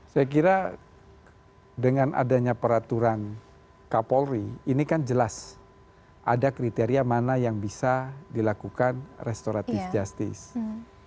saya kira dengan adanya peraturan kapolri ini kan jelas ada kriteria mana yang bisa dilakukan restoratif justice